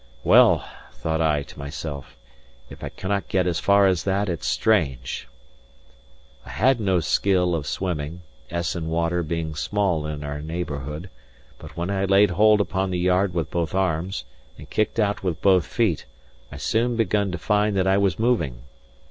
"Well," thought I to myself, "if I cannot get as far as that, it's strange!" I had no skill of swimming, Essen Water being small in our neighbourhood; but when I laid hold upon the yard with both arms, and kicked out with both feet, I soon begun to find that I was moving.